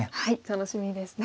楽しみですね。